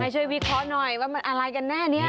ช่วยวิเคราะห์หน่อยว่ามันอะไรกันแน่เนี่ย